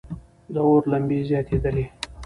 د اور لمبې زیاتېدلې.